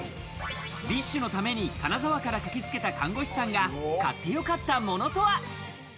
ＢｉＳＨのために金沢から駆けつけた看護師さんが買ってよかったものとは。